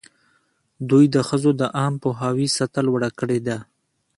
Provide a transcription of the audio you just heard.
دوی د ښځو د عامه پوهاوي سطحه لوړه کړې ده.